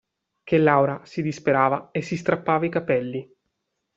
Che Laura si disperava e si strappava i capelli.